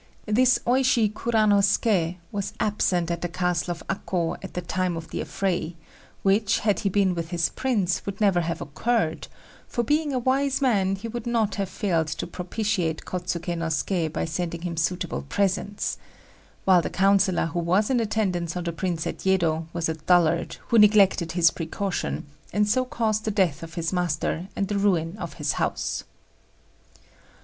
This Oishi Kuranosuké was absent at the castle of Akô at the time of the affray, which, had he been with his prince, would never have occurred; for, being a wise man, he would not have failed to propitiate Kôtsuké no Suké by sending him suitable presents; while the councillor who was in attendance on the prince at Yedo was a dullard, who neglected this precaution, and so caused the death of his master and the ruin of his house.